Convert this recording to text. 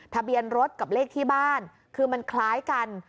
ทะเบียนรถกับเลขที่บ้านคือมันคล้ายกัน